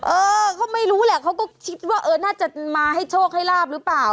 เออเขาไม่รู้แหละเขาก็คิดว่าเออน่าจะมาให้โชคให้ลาบหรือเปล่า